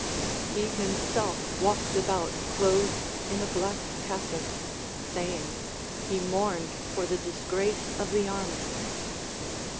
He himself walked about clothed in a black cassock, saying, he mourned for the disgrace of the army.